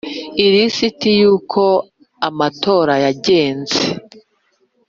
ilisiti yuko amatora yagenze